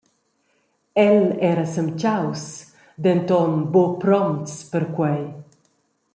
El era semtgaus, denton buca promts per quei.